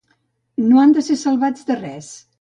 No han de ser salvats de res.